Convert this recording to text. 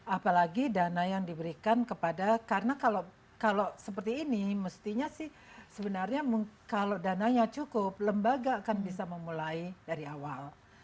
apalagi dana yang diberikan kepada karena kalau seperti ini mestinya sih sebenarnya kalau dananya cukup lembaga akan bisa memulai dari awal